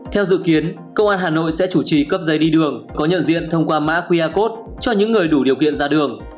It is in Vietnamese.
theo dự kiến công an hà nội sẽ chủ trì cấp giấy đi đường có nhận diện thông qua mã qr code cho những người đủ điều kiện ra đường